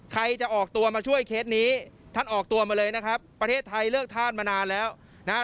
ใครจะออกตัวมาช่วยเคสนี้ท่านออกตัวมาเลยนะครับประเทศไทยเลิกธาตุมานานแล้วนะฮะ